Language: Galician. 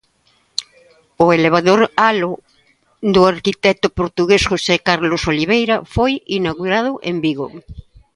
O elevador Halo, do arquitecto portugués José Carlos Oliveira, foi inaugurado en Vigo